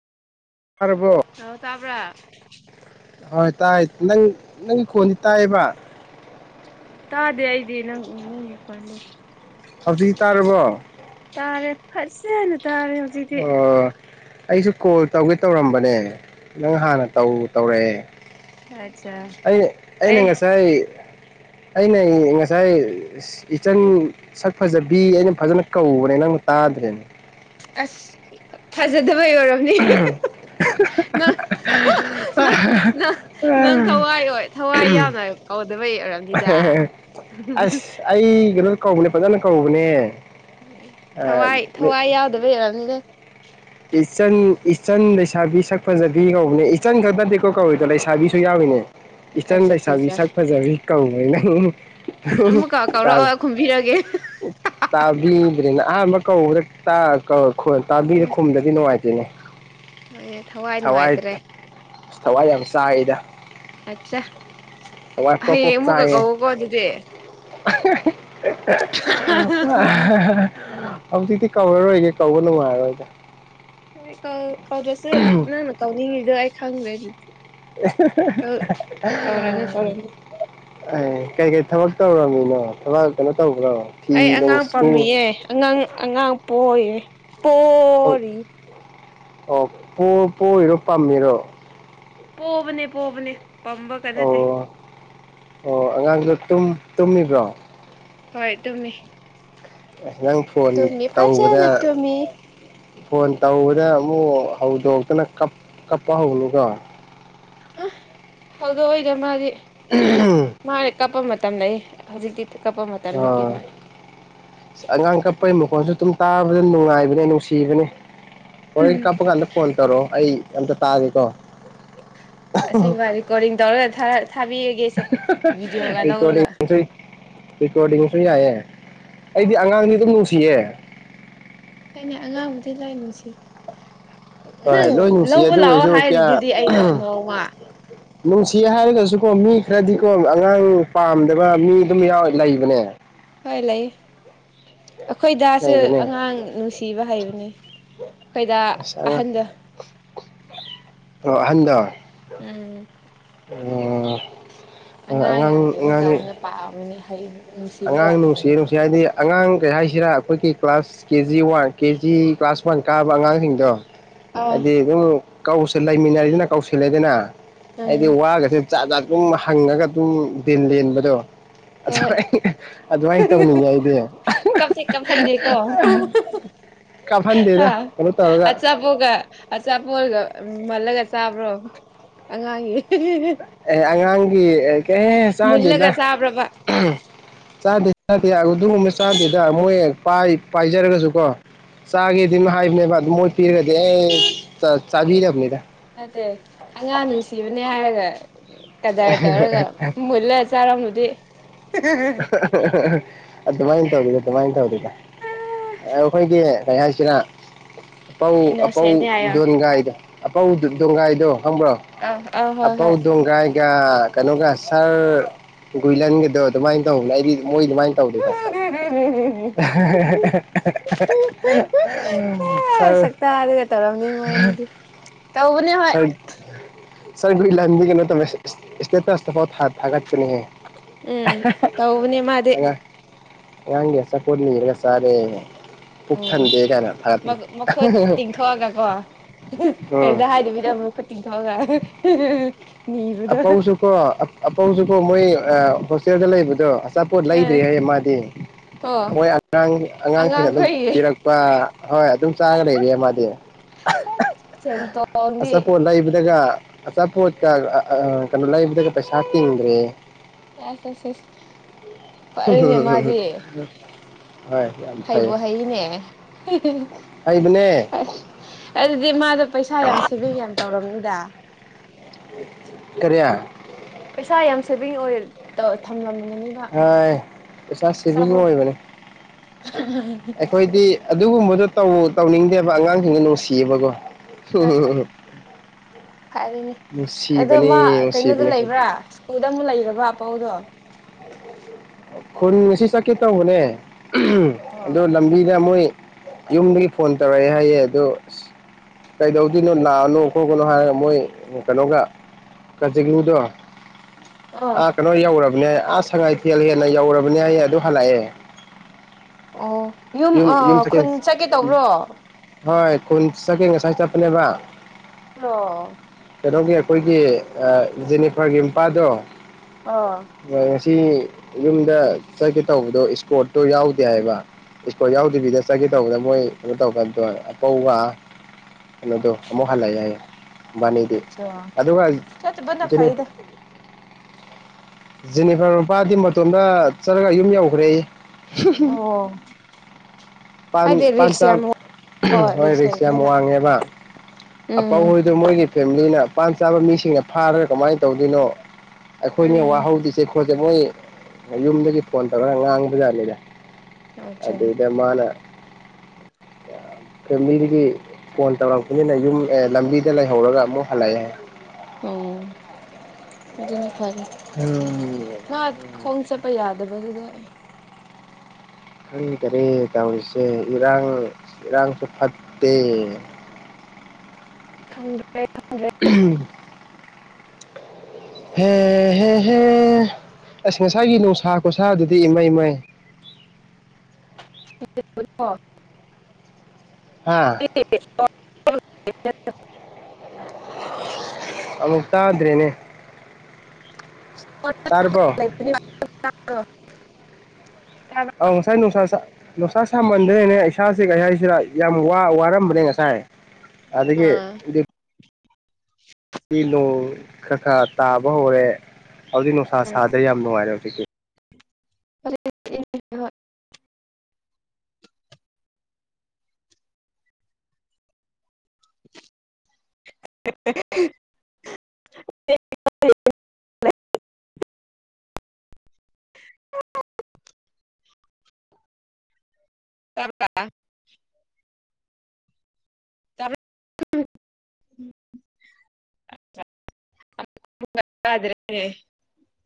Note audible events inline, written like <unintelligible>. ꯇꯥꯔꯕꯣ ꯑ ꯇꯥꯕ꯭ꯔꯥ <unintelligible> ꯍꯣꯏ ꯇꯥꯏ ꯅꯪ ꯅꯪꯒꯤ ꯈꯣꯟꯗꯤ ꯇꯥꯏꯌꯦꯕ ꯇꯥꯗꯦ ꯑꯩꯗꯤ ꯅꯪ ꯅꯪꯒꯤ ꯈꯣꯟꯗꯤ ꯍꯧꯖꯤꯛ ꯇꯥꯔꯕꯣ ꯇꯥꯔꯦ ꯐꯖꯅ ꯇ ꯔꯦ ꯍꯧꯖꯤꯛꯇꯤ ꯑꯣ ꯑꯩꯁꯨ ꯀꯣꯜ ꯇꯧꯒꯦ ꯇꯧꯔꯝꯕꯅꯦ ꯅꯪ ꯍꯥꯟꯅ ꯇꯧ ꯇꯧꯔꯛꯑꯦ ꯑꯠꯆꯥ ꯑꯩ ꯑꯩꯅ ꯑꯩ ꯉꯁꯥꯏ ꯑꯩ ꯅ ꯉꯁꯥꯏ ꯏꯆꯟ ꯁꯛ ꯐꯖꯕꯤ ꯑꯩꯅ ꯐꯖꯅ ꯀꯧꯕꯅꯤ ꯅꯪꯅ ꯇꯥꯗ꯭ꯔꯦꯅꯦ ꯑꯁ ꯐꯖ ꯑꯣꯏꯔꯝꯅꯤ ꯅꯪ ꯅꯪ ꯅꯪ <unintelligible> ꯅꯪ ꯊꯋꯥꯏ ꯑꯣꯏ ꯊꯋꯥꯏ ꯌꯥꯝꯅ ꯀꯧꯗꯕ ꯑꯁ ꯑꯩ ꯀꯩꯅꯣ ꯀꯧꯕꯅꯦ ꯐꯖꯅ ꯀꯧꯕꯅꯦ ꯊꯋꯥꯏ ꯊꯋꯥꯏ ꯌꯥꯎꯗꯕꯩ ꯑꯣꯏꯔꯝꯅꯤꯗ ꯏꯆꯟ ꯏꯆꯟ ꯂꯩꯁꯥꯕꯤ ꯁꯛ ꯐꯖꯕꯤ ꯀꯧꯕꯅꯦ ꯏꯆꯟ ꯈꯛ ꯅꯠꯇꯦ ꯀꯧꯔꯤꯗꯣ ꯂꯩꯁꯥꯕꯤꯁꯨ ꯌꯥꯎꯔꯤꯅꯦ ꯏꯆꯟ ꯑꯠꯆꯥ ꯑꯠꯆꯥ ꯂꯩꯁꯥꯕꯤ ꯑꯠꯆꯥ ꯁꯛ ꯐꯖꯕꯤ ꯀꯧ ꯅꯩ꫰ꯅꯪ ꯑꯣ ꯑꯃꯨꯛꯀ ꯇꯕꯔꯥ ꯀꯧꯔꯛꯑꯣ ꯈꯨꯝꯕꯤꯔꯒꯦ ꯇꯥꯕꯤ ꯅ ꯑꯍꯥꯟꯕ ꯀꯧ ꯑꯁ ꯈꯨꯝꯗꯗꯤ ꯅꯨꯡꯉꯥꯏꯇꯦꯅꯦ ꯍꯣꯏ ꯊꯋꯥꯏ ꯅꯨꯡꯉꯥꯏꯇ꯭ꯔꯦ ꯑꯁ ꯊꯋꯥꯏ ꯌꯥꯝ ꯆꯥꯛꯏꯗ ꯑꯆꯥ ꯍꯌꯦꯡ ꯑꯃꯨꯛꯀ ꯀꯧꯑꯣꯀꯣ ꯑꯗꯨꯗꯤ <inaudible> <unintelligible> <inaudible> <unintelligible> ꯍꯧ ꯖꯤꯛꯇꯤ ꯀꯧꯔꯔꯣꯏꯒꯦ ꯀꯧꯕ ꯅꯨꯡꯉꯥꯏꯔꯣꯏꯗ ꯍꯣꯏ ꯀꯥꯎ ꯀꯧꯗꯁ ꯅꯪꯅ ꯀꯧꯅꯤ ꯗꯣ ꯑꯩ ꯈꯪꯒꯔ꯭ꯦ ꯀꯧꯔꯅꯨ ꯑ ꯀꯩ ꯀꯩ ꯊꯕꯥꯛ ꯇꯧꯔꯃꯤꯅꯣ ꯊꯕꯥꯛ ꯀꯩꯅꯣ ꯇꯧ ꯅꯣ ꯐꯤ ꯑꯩ ꯅꯨꯡ ꯑꯉꯥꯡ ꯁꯨ ꯄꯥꯝꯃꯤꯌꯦ ꯑꯉꯥꯡ ꯑꯉꯥꯡ ꯄꯣꯌꯦ ꯄꯣꯔꯤ ꯑꯣ ꯄꯣ ꯄꯣꯏꯔꯣ ꯄꯝꯃꯤꯔꯣ ꯄꯣꯕꯅꯦ ꯄꯣꯕꯅꯦ ꯄꯝꯕꯒ ꯅꯠꯇꯦ ꯑꯣ ꯑꯣ ꯑꯉꯥꯡꯂ ꯑꯗꯨꯨꯝ ꯇꯨꯝꯃꯤꯕ꯭ꯔꯣ ꯍꯣꯏ ꯇꯨꯝꯃꯤ ꯑ ꯅꯪ ꯐꯣꯟ ꯇꯨꯝꯃꯤ ꯇꯧꯕꯗ ꯐꯖꯅ ꯇꯨꯝꯃꯤ ꯐꯣꯟ ꯇꯧꯕꯗ ꯑꯃꯨꯛ ꯍꯧꯗꯣꯛꯇꯅ ꯀ ꯀꯞꯄ ꯍꯧꯅꯨꯀꯣ ꯑ ꯍꯧꯗꯣꯛꯑꯣꯏꯗ ꯃꯥꯗꯤ ꯃꯥꯏ ꯀꯞꯄ ꯃꯇꯝ ꯑꯩ ꯍꯧꯖꯤꯛꯇꯤ ꯀꯞꯄ ꯃꯇꯝ ꯅꯠꯇꯦ ꯃꯥ ꯑꯁ ꯍꯉꯥ ꯡ ꯀꯞꯄꯩ ꯃ ꯈꯣꯜꯁꯨ ꯑꯗꯨꯝ ꯇꯥꯕꯗ ꯅꯨꯡꯉꯥꯏꯕꯅꯦ ꯅꯨꯡꯁꯤꯕꯅꯦ ꯎꯝ ꯍꯣꯔꯦꯟ ꯀꯄꯒꯥꯟꯗ ꯐꯣꯟ ꯇꯧꯔꯛꯑꯣ ꯑꯩ ꯑꯝꯇ ꯇꯥꯒꯦꯀꯣ ꯑꯁꯦꯡꯕ ꯔꯦꯀꯣꯔꯗꯤꯡ ꯇꯧꯔꯒ ꯊꯥꯔ ꯊꯥꯕꯤꯔꯒꯦꯁꯦ ꯚꯤꯗꯤꯑꯣꯒ ꯂꯧꯔꯒ ꯔꯀꯣꯔꯗꯁꯨ ꯌꯥꯌꯦ <unintelligible> ꯑꯩꯗꯤ ꯑꯉꯥꯡꯗꯤ ꯑꯗꯨꯝ ꯅꯨꯡꯁꯤꯌꯦ ꯑꯅꯦ ꯑꯉꯥꯡꯕꯨꯗꯤ ꯂꯥꯏꯅꯨꯁꯤ <unintelligible> ꯍꯣꯏ ꯅꯪ ꯂꯣꯏ ꯅꯨꯡꯁꯤꯌꯦ ꯂꯧꯕ ꯑꯗꯨ ꯂꯥꯛꯑꯣ ꯑꯣꯏꯔꯁꯨ ꯍꯥꯏꯔꯤꯗꯨꯗꯤ ꯑꯩꯅ ꯅꯣꯡꯃ ꯅꯨꯡꯁꯤ ꯍꯥꯏꯔꯒꯁꯨꯀꯣ ꯃꯤ ꯈꯔꯗꯤꯀꯣ ꯑꯉꯥꯡ ꯄꯥꯝꯗꯕ ꯃꯤ ꯑꯗꯨꯝ ꯌꯥꯎꯋ ꯂꯩꯕꯅꯦ ꯍ ꯂꯩꯑ ꯑꯩꯈꯣꯏꯗꯁꯨꯦ ꯂꯩꯕꯅꯦ ꯑꯉꯥꯡ ꯅꯨꯡꯁꯤꯕ ꯍꯩꯕꯅꯤ ꯑꯩꯈꯣꯏꯗ ꯑꯁ ꯑꯉꯥꯡ ꯑꯍꯟꯗ ꯑꯣ ꯑꯍꯟꯗ ꯎꯝ ꯑꯉꯥꯡ ꯌꯥꯝ ꯀꯩꯅꯣ ꯇꯧꯅꯦ ꯄꯥꯝꯃꯤꯅꯦ ꯍꯥꯏ ꯑꯉꯥꯡ ꯅꯨꯡꯁꯤꯌꯦ ꯅꯨꯡꯁꯤ ꯍꯥꯏꯗꯤ ꯑꯉꯥꯡ ꯀꯩ ꯍꯥꯏꯁꯤꯔꯥ ꯑꯩꯈꯣꯏꯒꯤ ꯀ꯭ꯂꯥꯁ ꯀꯦꯖꯤ ꯋꯥꯟ ꯀꯦꯖꯤ ꯀ꯭ꯂꯥꯁ ꯋꯥꯟ ꯀꯥꯕ ꯑꯉꯥꯡꯁꯤꯡꯗꯣ ꯑꯥ ꯑꯗꯨꯗꯤ ꯑꯗꯨ ꯑꯗꯨꯝ ꯀꯥꯎꯁꯦ ꯂꯩꯃꯤꯟꯅꯔꯤꯗꯅ ꯀꯥꯎꯁꯦꯜꯂꯦꯗꯅ ꯑꯩꯗꯤ ꯎꯝ ꯋꯥꯒꯁꯦ ꯖꯥꯠ ꯖꯥꯠ ꯑꯗꯨꯝ ꯍꯪꯉꯒ ꯑꯗꯨꯝ ꯗꯤꯟ ꯂꯦꯟꯕꯗꯣ ꯍꯣꯏ ꯑꯗꯨꯃꯥꯏꯅ ꯑꯗꯨꯃꯥꯏꯅ ꯇꯧꯅꯤꯡꯉꯦ ꯑꯩꯗꯤ ꯀꯞꯇꯤ ꯀꯞ ꯍꯟꯗꯦꯀꯣ ꯑ ꯀꯥꯞꯍꯟꯗꯦꯗ ꯀꯩꯅꯣ ꯇꯧꯔꯒ ꯑꯆꯥꯄꯣꯒ ꯑꯆꯥꯄꯣꯠ ꯃꯜꯂꯒ ꯆꯥꯕ꯭ꯔꯣ ꯑꯉꯥꯡꯒꯤ ꯑꯦ ꯑꯉꯥꯡꯒꯤ ꯀꯩꯍꯥꯏꯅꯤ ꯃꯨꯜꯂꯒ ꯆꯥꯗꯦꯗ ꯆꯥꯕ꯭ꯔꯕ ꯆꯥꯗꯦ ꯅꯠꯇ‌ꯦ ꯑꯗꯨꯒꯨꯝꯕ ꯆꯥꯗꯦꯗ ꯃꯣꯏ ꯄꯥꯏ ꯄꯥꯏꯖꯔꯒꯁꯨ ꯀꯣ ꯆꯥꯒꯦꯗꯤ ꯉꯥꯍꯟ ꯍꯥꯏꯕꯅꯦꯕ ꯑꯗꯨ ꯃꯣꯏ ꯄꯤꯔꯗ ꯑꯁ ꯑꯦ ꯅꯠꯇ‌ꯦ ꯑꯉꯥꯡꯅꯅꯨꯡꯁꯤꯕꯅꯦ ꯌꯥꯒ <unintelligible> ꯀꯗꯥꯥꯔ ꯇꯧꯔꯒ ꯃꯜꯂꯥ ꯆꯔꯝꯃꯗꯤ <unintelligible> ꯑꯗꯨꯃꯥꯏꯅ ꯇꯧꯔꯤꯗ ꯑꯗꯨꯃꯥꯏꯅ ꯇꯧꯔꯤꯗ ꯑꯩꯈꯣꯏꯒꯤ ꯀ ꯍꯥꯏꯥꯏꯁꯤꯔ ꯑꯄꯧ ꯑꯄꯧ ꯏꯅꯣꯁꯦꯟꯅꯦ ꯍꯥꯏꯌꯣ ꯗꯣꯟꯒꯥꯏꯗ ꯑꯄꯥ ꯎ ꯗꯒꯥꯏꯗꯣ ꯈꯪꯕ꯭ꯔꯣ ꯑ ꯑ ꯍꯣꯏ ꯑꯄꯧ ꯍꯣꯏ ꯗꯣꯡꯒꯥꯏꯒ ꯑ ꯀꯩꯅꯣ ꯀ ꯑ ꯁꯔ ꯒꯨꯏꯂꯟꯒꯗꯣ ꯑꯗꯨꯃꯥꯏꯟ ꯇꯧꯅ ꯑꯩꯗꯤ ꯃꯣꯏ ꯗꯨꯃꯥꯏꯟ ꯇꯧꯗꯦꯗ ꯁꯥꯔ ꯁꯛꯇꯔꯒ ꯇꯧꯔꯝꯅꯤ ꯃꯣꯏ ꯑꯅꯤꯗꯤ ꯅꯦ ꯍꯣꯢ ꯁꯔ ꯅꯨꯏꯂꯟꯗꯤ ꯀꯩꯅꯦ ꯇꯝꯃꯦ ꯏꯁꯇꯦꯇꯁ ꯇꯐꯥꯎ ꯊꯥ ꯊꯥꯒꯠ ꯎꯝ ꯇꯧꯕꯅꯦ ꯃꯥꯗꯤ ꯉꯥꯡꯒꯤ ꯆꯥꯄꯣꯠ ꯅꯤꯔꯒꯥ ꯆꯥꯔꯦ ꯄꯨꯛ ꯎꯝ ꯊꯟꯗꯦ ꯀꯥꯏꯅ ꯊꯥꯒꯠꯄꯅꯤ ꯃꯈ ꯃꯈꯨꯠ ꯇꯤꯡꯊꯣꯛꯑꯒ ꯀꯣ ꯎꯝ ꯀꯩꯕ ꯍꯥꯏꯗ ꯔꯕꯨ ꯈꯨꯠ ꯇꯤꯡꯊꯣꯛꯑꯒ ꯑ ꯅꯤꯕꯗꯣ ꯄꯧꯁꯨ ꯀꯣ ꯑ ꯑ ꯄꯧꯁꯨ ꯀꯣ ꯃꯣꯏ ꯑ ꯍꯣꯁꯇꯦꯜꯗ ꯂꯩꯕꯗꯣ ꯆꯥꯄꯣꯠ ꯑꯦ ꯂꯩꯗ꯭ꯔꯤ ꯍꯥꯏꯌꯦ ꯃꯥꯗꯤ ꯀꯣ ꯑꯩꯈꯣꯏ ꯑꯉꯥꯡ ꯑꯉꯥꯡꯁꯤꯡꯅ ꯑꯗꯨꯝ ꯑꯉꯥꯡꯈꯣꯏꯒꯤ ꯄꯤꯔꯛꯄ ꯍꯣꯏ ꯑꯗꯨꯝ ꯆꯥꯔ ꯂꯩꯔꯦ ꯃꯥꯗꯤ ꯁꯦꯟꯇꯣꯡꯗꯤ ꯑꯆꯥꯄꯣꯠ ꯂꯩꯕꯗꯒ ꯑꯆꯥꯄꯣꯠ ꯀ ꯑ ꯑ ꯀꯩꯅ ꯂꯩꯕꯗꯒ ꯄꯩꯁꯥ ꯇꯤꯡꯗꯔ꯭ꯦꯌꯦ ꯑꯁ ꯑꯁ ꯑꯁ ꯐꯔꯦꯅꯦ ꯃꯥꯗꯤ ꯍꯣꯏ ꯌꯥꯝ ꯍꯩꯕꯣ ꯐꯩ ꯍꯩꯅꯦ ꯍꯩꯕꯅꯦ ꯑꯗ ꯏꯃꯥꯗꯨ ꯄꯩꯁꯥ ꯌꯥꯝ ꯁꯦꯕꯤꯡ ꯌꯥꯝ ꯇꯧꯔꯝꯃꯤꯗ ꯀꯔꯤ ꯄꯩꯁꯥ ꯌꯥꯝ ꯁꯦꯚꯤꯡ ꯑꯣꯏ ꯇꯣ ꯊꯝꯂꯝ ꯍꯥꯏ ꯄꯩꯁꯥ ꯁꯦꯚꯤꯡ ꯑꯆꯥꯄꯣꯠ ꯑꯣꯏꯕꯅꯦ ꯑꯩꯈꯣꯏꯗꯤ ꯑꯗꯨꯒꯨꯝꯕꯗꯣ ꯇꯧꯑꯣ ꯇꯧꯅꯤꯡꯗꯦꯕ ꯑꯉꯥꯡꯁꯤꯡꯗꯨ ꯅꯨꯡꯁꯤꯌꯦꯕꯀꯣ ꯍꯣꯏ ꯍꯣꯏ ꯐꯔꯤꯅꯦ ꯑꯗꯣ ꯃꯥ ꯅꯨꯡꯁꯤꯕꯅꯤ ꯅꯨꯡꯁꯤꯕꯅꯤ ꯀꯩꯅꯣꯗ ꯑꯩꯈꯣꯏ ꯂꯩꯕ꯭ꯔꯥ ꯁ꯭ꯀꯨꯜꯗ ꯑꯃꯨꯛ ꯂꯩꯔꯕ ꯄꯥꯎꯗꯣ ꯈꯨꯟ ꯉꯁꯤ ꯆꯠꯀꯦ ꯇꯧꯕꯅꯦ ꯎꯍꯨꯝ ꯑꯣ ꯑꯗꯣ ꯂꯝꯕꯤꯗ ꯃꯣꯏ ꯌꯨꯝꯗꯒꯤ ꯐꯣꯟ ꯇꯧꯔꯛꯑꯦ ꯍꯥꯏꯌꯦ ꯑꯗꯣ ꯑꯁ ꯀꯩꯗꯧꯗꯣꯏꯅꯣ ꯂꯥꯛꯑꯅꯣ ꯈꯣꯠꯀꯅꯣ ꯍꯥꯏꯔꯒ ꯃꯣꯏ ꯀꯩꯅꯣꯒ ꯀꯆꯤꯡꯉꯨꯗꯣ ꯑꯣ ꯑ ꯀꯩꯅꯣ ꯌꯥꯎꯔꯕꯅꯦ ꯑ ꯁꯉꯥꯏꯊꯦꯜ ꯍꯦꯜ ꯅꯩ ꯌꯧꯔꯕꯅꯦ ꯑꯩ ꯑꯗꯨ ꯍꯜꯂꯛꯑꯦ꯫ ꯑꯣ꯫ ꯌꯨꯝ ꯑꯥ ꯈꯨꯟ ꯆꯠꯀꯦ ꯇꯧꯕ꯭ꯔꯣ꯫ ꯍꯣꯏ ꯈꯨꯟ ꯆꯀꯦ ꯉꯁꯥꯏ ꯆꯠꯄꯅꯦꯕ꯫ <unintelligible> ꯀꯩꯅꯣꯒꯤ ꯑꯩꯈꯣꯏꯒꯤ ꯖꯦꯅꯤꯐꯔꯒꯤ ꯃꯄꯥꯗꯣ꯫ ꯑꯥ꯫ ꯁꯤ ꯌꯨꯝꯗ ꯆꯠꯒꯦ ꯇꯧꯕꯗꯣ ꯏꯁꯀꯣꯔꯠꯇꯣ ꯌꯥꯎꯗꯦ ꯍꯥꯏꯕ꯫ ꯏꯁꯀꯣꯔꯠ ꯌꯥꯎꯗꯕꯤꯗ ꯆꯀꯦ ꯇꯧꯕꯗ ꯃꯣꯏ ꯀꯩꯅꯣ ꯇꯧꯀꯥꯟꯗꯣ ꯑꯄꯧꯕ ꯀꯩꯅꯣꯗꯣ ꯑꯃꯨꯛ ꯍꯜꯂꯛꯑꯦ ꯍꯥꯏꯌꯦ꯫ ꯃꯅꯤꯗꯤ ꯑꯆꯥ ꯑꯗꯨꯒ ꯆꯠꯇꯕꯅ ꯖꯦꯅꯤꯠ꯫ ꯐꯩꯗ ꯖꯤꯅꯤꯐꯔ ꯃꯄꯥꯗꯤ ꯃꯇꯣꯝꯗ ꯆꯠꯂꯒ ꯌꯨꯝ ꯌꯧꯒꯔꯦꯌꯦ꯫ ꯑꯣ꯫ ꯄꯥꯟ ꯍꯥꯏꯗꯤ ꯔꯤꯛꯁ ꯄꯥꯟꯆ ꯌꯥꯝ ꯀꯣ ꯍꯣꯏ ꯔꯤꯛꯁ ꯌꯥꯝ ꯂꯩꯕꯅꯤꯅ ꯋꯥꯡꯉꯦꯕ ꯎꯝ ꯑꯄꯥꯎꯍꯣꯏꯗꯣ ꯃꯣꯏꯒꯤ ꯐꯦꯃꯤꯂꯤ ꯃꯤꯅ ꯄꯥꯥꯟ ꯆꯥꯕ ꯃꯤꯁꯤꯡꯅ ꯐꯥꯔꯒ ꯀꯃꯥꯏꯅ ꯇꯧꯗꯣꯏꯅꯣ꯫ ꯑꯩꯈꯣꯏꯅꯦ ꯎꯝ ꯋꯥꯍꯧꯗꯨꯏꯁꯦ꯫ <unintelligible> ꯃꯌꯨꯝꯗꯒꯤ ꯐꯣꯟ ꯇꯧꯔꯒ ꯉꯥꯡꯕꯖꯥꯠꯅꯤꯗ꯫ ꯑꯆꯥ ꯑꯗꯨꯗ ꯃꯥꯅ꯫ ꯐꯦꯝꯂꯤꯗꯒꯤ ꯐꯣꯟ ꯇꯧꯔꯛꯄꯅꯤꯅ ꯌꯨꯝ ꯑꯦ ꯂꯝꯕꯤ ꯗ ꯂꯩꯍꯧꯔꯒ ꯑꯃꯨꯛ ꯍꯥꯜꯂꯛꯑꯦ꯫ ꯑꯗꯨꯅꯤ꯫꯫ <unintelligible> ꯈꯣꯡ ꯆꯠꯄ ꯌꯥꯗꯕꯗꯨꯗ꯫ ꯈꯪꯗꯔꯦ ꯇꯧꯔꯤꯁꯦ ꯏꯔꯥꯡ ꯏꯔꯥꯡꯁꯨ ꯐꯠꯇꯦ꯫ <unintelligible> <unintelligible> ꯍꯦ ꯍꯦ ꯍꯦ ꯑꯁ ꯉꯁꯥꯏꯒꯤ ꯅꯨꯡꯁꯥ ꯈꯨꯁꯥꯗꯨꯗꯤ ꯏꯃꯩ ꯃꯩ꯫ <unintelligible> ꯍꯥ <inaudible> <inaudible> ꯑꯃꯨꯛ ꯇꯥꯗ꯭ꯔꯦꯅꯦ꯫ ꯇꯥꯔꯕꯣ <inaudible> <unintelligible> ꯑꯧ ꯉꯁꯥꯏ ꯅꯨꯡꯁꯥ ꯅꯨꯡꯁꯥ ꯁꯥꯃꯟꯗ꯭ꯔꯦꯅꯦ ꯏꯁꯥꯥꯁꯦ ꯉꯍꯥꯏꯁꯤꯗ ꯌꯥꯝ ꯋꯥꯔꯝꯕꯅꯦ ꯉꯁꯥꯏ ꯑꯗꯒꯤ ꯎꯝ ꯀ ꯅꯣ ꯈꯔ ꯈꯔ ꯇꯥꯕ ꯍꯧꯔꯦ ꯍꯧꯖꯤꯛ ꯅꯨꯡꯁꯥ ꯁꯥꯗ꯭ꯔꯦ ꯌꯥꯝ ꯅꯨꯡꯉꯥꯏꯔꯦ ꯍꯧꯖꯤꯛꯀꯤ ꯐ <unintelligible> <inaudible> ꯇꯀ ꯭ꯔꯦ <unintelligible>